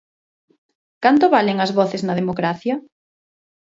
Canto valen as voces na democracia?